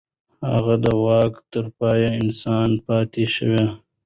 هغه د واک تر پای انسان پاتې شو.